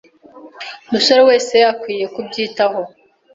musore wese akwiriye kubyitaho